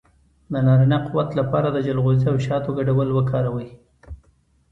د نارینه قوت لپاره د چلغوزي او شاتو ګډول وکاروئ